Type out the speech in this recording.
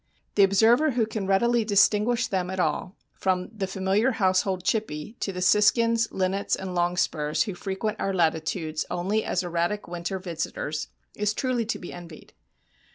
The observer who can readily distinguish them at all, from the familiar household "chippy" to the siskins, linnets and longspurs who frequent our latitudes only as erratic winter visitors, is truly to be envied.